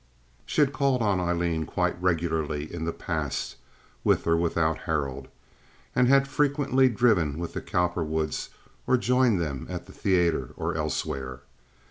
She had called on Aileen quite regularly in the past, with or without Harold, and had frequently driven with the Cowperwoods or joined them at the theater or elsewhere.